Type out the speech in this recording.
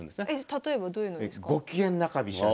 例えばどういうのですか？